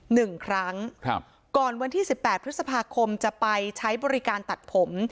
หนึ่งครั้งครับก่อนวันที่สิบแปดพฤษภาคมจะไปใช้บริการตัดผม